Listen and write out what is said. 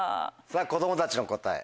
子供たちの答え。